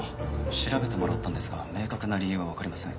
調べてもらったんですが明確な理由は分かりません。